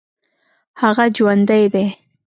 هغه جوندى دى.